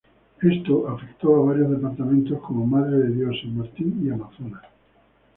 Esto afectó a varios departamentos como Madre de Dios, San Martín y Amazonas.